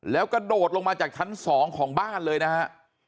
แล้วกระโดดลงมาจากชั้น๒ของบ้านเลยนะฮะ